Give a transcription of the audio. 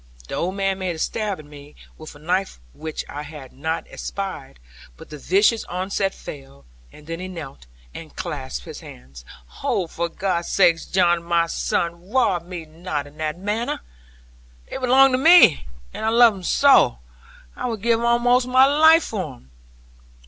The old man made a stab at me, with a knife which I had not espied; but the vicious onset failed; and then he knelt, and clasped his hands. 'Oh, for God's sake, John, my son, rob me not in that manner. They belong to me; and I love them so; I would give almost my life for them.